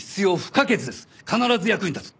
必ず役に立つ。